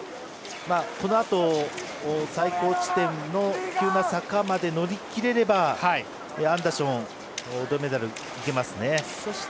このあと最高地点の急な坂まで乗り切れればアンダーションは銅メダルいけますね。